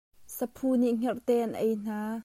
Saphu nih hngerhte an ei hna.